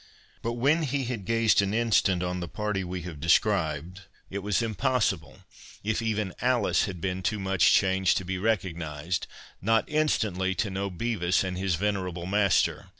But when he had gazed an instant on the party we have described, it was impossible, if even Alice had been too much changed to be recognized, not instantly to know Bevis and his venerable master.